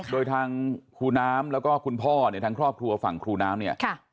โดยทางครูน้ำแล้วก็คุณพ่อเนี่ยทางครอบครัวฝั่งครูน้ำเนี่ย